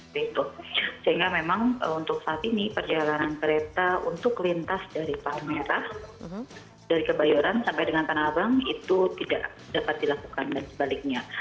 sehingga memang untuk saat ini perjalanan kereta untuk lintas dari palmerah dari kebayoran sampai dengan tanah abang itu tidak dapat dilakukan dan sebaliknya